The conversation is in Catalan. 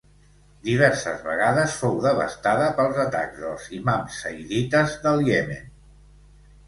Diverses vegades fou devastada pels atacs dels imams zaidites del Iemen.